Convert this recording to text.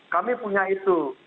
kami punya itu